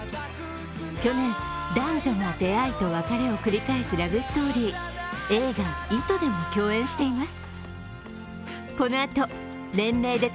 去年、男女が出会いと別れを繰り返すラブストーリー、映画「糸」でも共演しています。